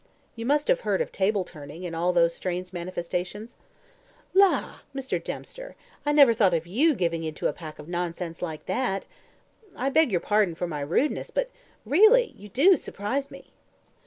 "You must have heard of table turning, and all those strange manifestations?" "La! Mr. Dempster, I never thought of YOU giving in to a pack of nonsense like that. I beg your pardon for my rudeness, but really you DO surprise me."